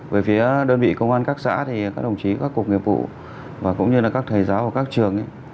về phía đơn vị công an các xã thì các đồng chí các cục nghiệp vụ và cũng như là các thầy giáo của các trường